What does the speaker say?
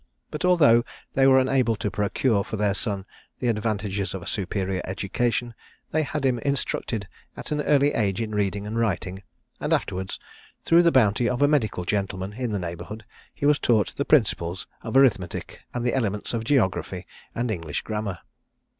But although they were unable to procure for their son the advantages of a superior education, they had him instructed at an early age in reading and writing; and afterwards, through the bounty of a medical gentleman in the neighbourhood, he was taught the principles of arithmetic, and the elements of geography and English grammar.